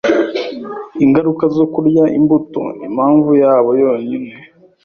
ingaruka zo kurya imbuto impamvu yabo yonyine